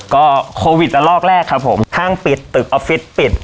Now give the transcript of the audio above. ก็โควิดละลอกแรกครับผมห้างปิดตึกออฟฟิศปิด